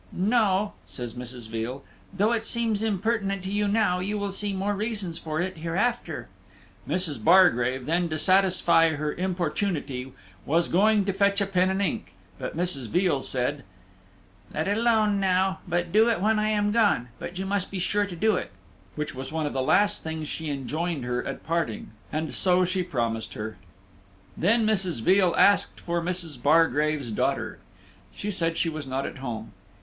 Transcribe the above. "No," says Mrs. Veal; "though it seems impertinent to you now, you will see more reasons for it hereafter." Mrs. Bargrave, then, to satisfy her importunity, was going to fetch a pen and ink, but Mrs. Veal said, "Let it alone now, but do it when I am gone; but you must be sure to do it"; which was one of the last things she enjoined her at parting, and so she promised her. Then Mrs. Veal asked for Mrs. Bargrave's daughter. She said she was not at home.